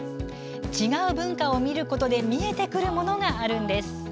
違う文化を見ることで見えてくるものがあるんです。